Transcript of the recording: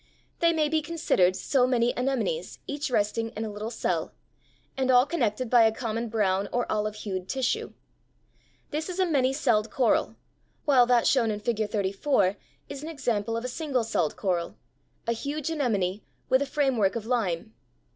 They may be considered so many anemones, each resting in a little cell, and all connected by a common brown or olive hued tissue. This is a many celled coral, while that shown in Figure 34 is an example of a single celled coral, a huge anemone with a framework of lime.